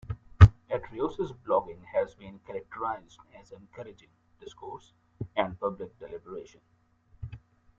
Atrios' blogging has been characterized as encouraging discourse and public deliberation.